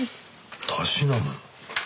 たしなむ。